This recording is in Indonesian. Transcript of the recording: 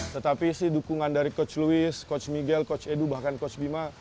tetapi si dukungan dari coach louis coach miguel coach edu bahkan coach bima